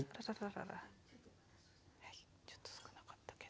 ちょっと少なかったけど。